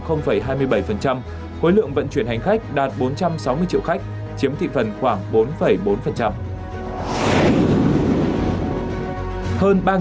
khối lượng vận chuyển hành khách đạt bốn trăm sáu mươi triệu khách chiếm thị phần khoảng bốn bốn